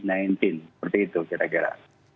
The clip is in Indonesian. seperti itu kira kira